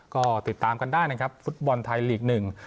ก็ติดตามกันได้นะครับฟุตบอลไทยลีกหนึ่ง